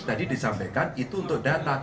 tadi disampaikan itu untuk data